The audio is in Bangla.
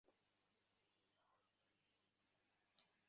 আমি জানি, কী অকলঙ্ক শুভ্র সে, কী নিবিড় পবিত্র।